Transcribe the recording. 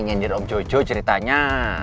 nyendir om jojo ceritanya